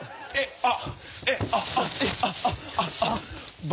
あっ。